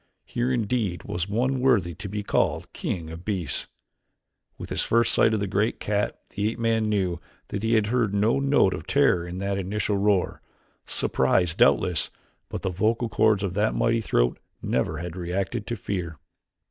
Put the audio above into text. Here indeed was one worthy to be called king of beasts. With his first sight of the great cat the ape man knew that he had heard no note of terror in that initial roar; surprise doubtless, but the vocal chords of that mighty throat never had reacted to fear.